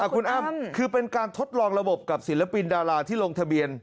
คุณอ้ำคือเป็นการทดลองระบบกับศิลปินดาราที่ลงทะเบียน